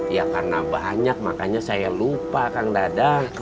ya karena banyak makanya saya lupa kang dada